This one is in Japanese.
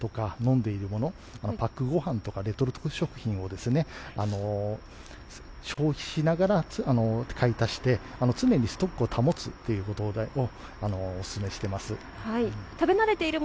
ふだんから食べているものとか飲んでいるもの、パックごはんとかレトルト食品を消費しながら買い足して、常にストックを保つということをお勧めしています。